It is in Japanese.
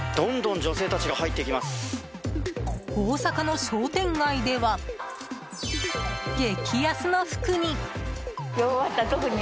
大阪の商店街では激安の服に。